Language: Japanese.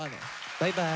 バイバイ。